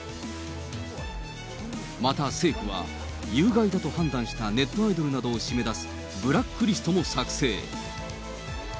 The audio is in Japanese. また政府は、有害だと判断したネットアイドルなどを締め出すブラックリストも作成。